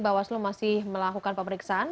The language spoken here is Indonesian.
bawaslu masih melakukan pemeriksaan